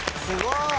すごい！